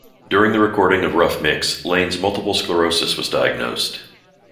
During the recording of "Rough Mix", Lane's multiple sclerosis was diagnosed.